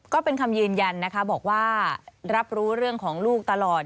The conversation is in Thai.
ก็เป็นคำยืนยันนะคะบอกว่ารับรู้เรื่องของลูกตลอด